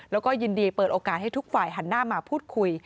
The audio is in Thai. แล้วก็ยินดีเปิดโอกาสให้ทุกฝ่ายหันหน้ามาพูดคุย